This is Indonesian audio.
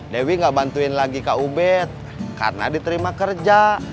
dewi gak bantuin lagi ke ubed karena diterima kerja